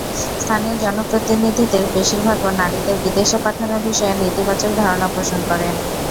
স্থানীয় জনপ্রতিনিধিদের বেশির ভাগও নারীদের বিদেশে পাঠানোর বিষয়ে নেতিবাচক ধারণা পোষণ করেন।